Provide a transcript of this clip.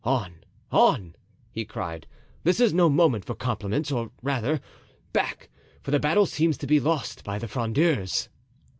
"On, on!" he cried, "this is no moment for compliments; or rather, back, for the battle seems to be lost by the Frondeurs."